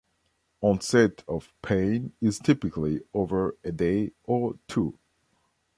Onset of pain is typically over a day or two.